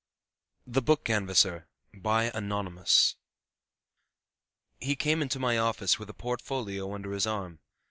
] THE BOOK CANVASSER ANONYMOUS He came into my office with a portfolio under his arm.